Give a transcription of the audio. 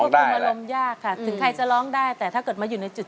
ได้คำฝากเลยจ้ะ